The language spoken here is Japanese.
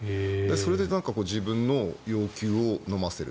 それで自分の要求をのませる。